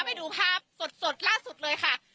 ไปดูภาพสดล่าสุดเลยค่ะ